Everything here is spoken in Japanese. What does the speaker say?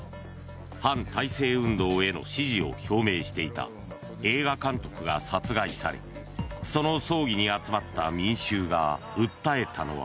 反体制運動への支持を表明していた映画監督が殺害されその葬儀に集まった民衆が訴えたのは。